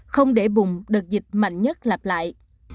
không để bùng đợt dịch mạnh nhất lạp lại